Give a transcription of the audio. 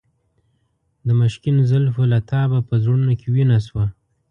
د مشکین زلفو له تابه په زړونو کې وینه شوه.